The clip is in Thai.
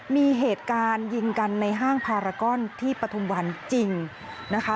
มีเหตุการณ์ยิงกันในห้างพารากอนที่ปฐุมวันจริงนะคะ